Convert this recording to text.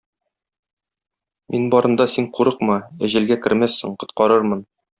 Мин барында син курыкма, әҗәлгә кермәссең, коткарырмын.